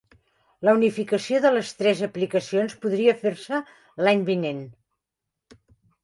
La unificació de les tres aplicacions podria fer-se l'any vinent